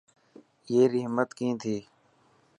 اي ري همت ڪئي ٿي.